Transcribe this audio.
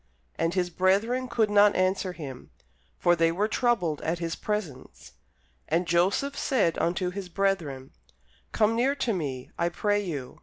And his brethren could not answer him; for they were troubled at his presence. And Joseph said unto his brethren, Come near to me, I pray you.